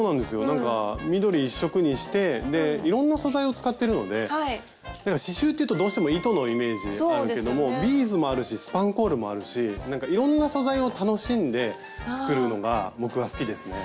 なんか緑一色にしてでいろんな素材を使ってるので刺しゅうっていうとどうしても糸のイメージあるけどもビーズもあるしスパンコールもあるしなんかいろんな素材を楽しんで作るのが僕は好きですね。